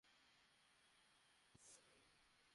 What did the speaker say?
পাগল হইয়াছ যোগেন?